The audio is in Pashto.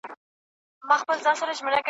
نه نارې یې چا په غرو کي اورېدلې ,